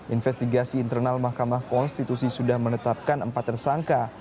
investigasi internal mahkamah konstitusi sudah menetapkan empat tersangka